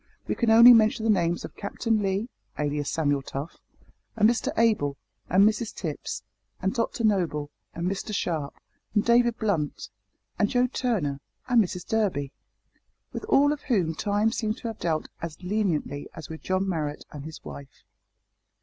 We can only mention the names of Captain Lee (alias Samuel Tough), and Mr Abel, and Mrs Tipps, and Dr Noble, and Mr Sharp, and David Blunt, and Joe Turner, and Mrs Durby, with all of whom time seemed to have dealt as leniently as with John Marrot and his wife.